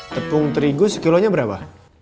tepung terigu sekilonya berapa